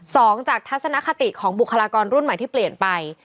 สองจากทัศนคติของบุคลากรรุ่นใหม่ที่เปลี่ยนไป